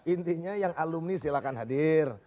intinya yang alumni silahkan hadir